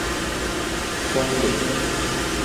Fundi.